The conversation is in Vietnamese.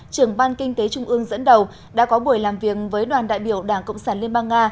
trưởng ban kinh tế trung ương dẫn đầu đã có buổi làm việc với đoàn đại biểu đảng cộng sản liên bang nga